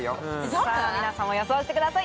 さぁ皆さんも予想してください。